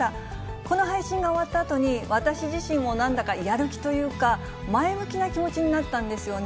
この配信が終わったあとに、私自身もなんだかやる気というか、前向きな気持ちになったんですよね。